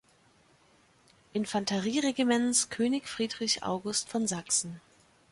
Infanterie-Regiments „König Friedrich August von Sachsen“.